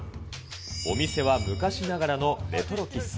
お店は昔ながらのレトロ喫茶。